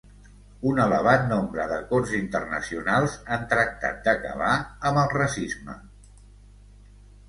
Un elevat nombre d'acords internacionals han tractat d'acabar amb el racisme.